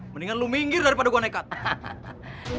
mendingan lu minggir daripada gua nekat tell me